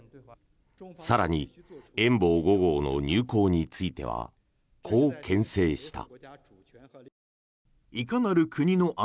更に「遠望５号」の入港についてはこうけん制した。